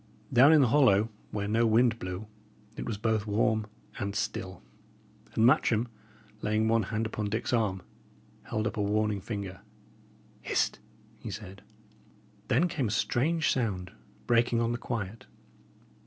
Down in the hollow, where no wind blew, it was both warm and still; and Matcham, laying one hand upon Dick's arm, held up a warning finger. "Hist!" he said. Then came a strange sound, breaking on the quiet.